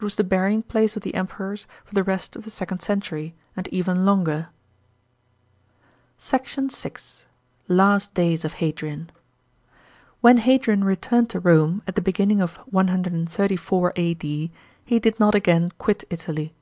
It was the burying place of the Emperors for the rest of the second century and even longer. SECT. VI. — LAST DAYS OF HADRIAN. §28. When Hadrian returned to Rome, at the beginning of 134 A.D., he did not again quit Italy.